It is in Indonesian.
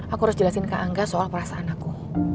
aku harus jelasin ke angga soal perasaan aku